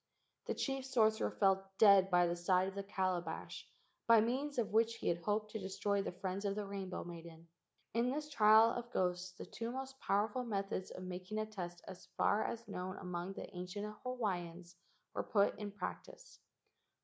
. The chief sorcerer fell dead by the side of the calabash by means of which he had hoped to de¬ stroy the friends of the rainbow maiden. In this trial of the ghosts the two most power¬ ful methods of making a test as far as known among the ancient Hawaiians were put in practice.